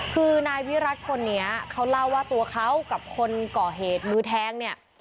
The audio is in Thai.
คือนายวิรัติคนนี้เขาเล่าว่าตัวเขากับคนก่อเหตุมือแทงเนี่ย